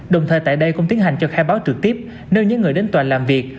đồng thời tại đây cũng tiến hành cho khai báo trực tiếp nơi những người đến tòa làm việc